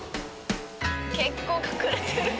結構隠れてる！